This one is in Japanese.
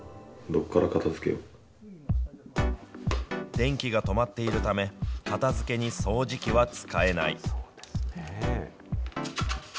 電気が止まっているため、片づけに掃除機は使えない。